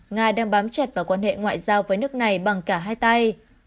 nga đang bám chặt vào quan hệ ngoại giao với nước này bằng cả hai tay